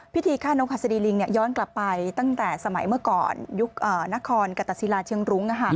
พิธีฆ่านกหัสดีลิงย้อนกลับไปตั้งแต่สมัยเมื่อก่อนยุคนครกตศิลาเชียงรุ้ง